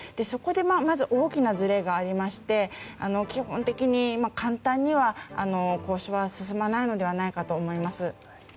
そこでまず大きなずれがありまして基本的に簡単には交渉は進まないのではないかと思います。